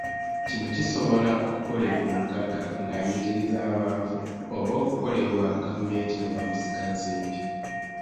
Kino kisobola okukolebwa omugagga ng'anyigiriza abaavu oba okukolebwa gavumenti ne bamusigansimbi.